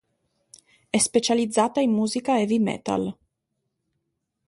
È specializzata in musica heavy metal.